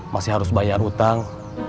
masih harus bayar utang